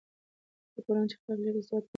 هغه ټولنه چې اخلاق لري، عزتمنه وي.